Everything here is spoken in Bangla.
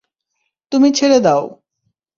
তুমি ছেড়ে দাও।